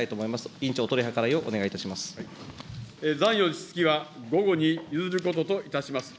委員長、お取り計らいをお願いい残余の質疑は午後に譲ることといたします。